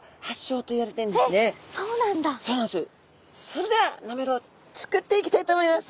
それではなめろう作っていきたいと思います。